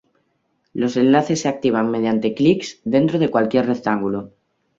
Los enlaces se activan mediante clics dentro de cualquier rectángulo.